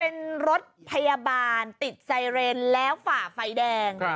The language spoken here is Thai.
เป็นรถพยาบาลติดไซเรนแล้วฝ่าไฟแดง